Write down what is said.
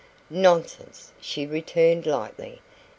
"Nonsense!" she returned lightly.